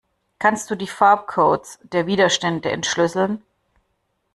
Kannst du die Farbcodes der Widerstände entschlüsseln?